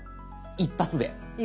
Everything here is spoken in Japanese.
一発で。